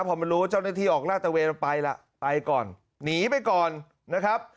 พอมันรู้เจ้าหน้าที่ออกลาดตะเวนไปล่ะไปก่อนหนีไปก่อนนะครับ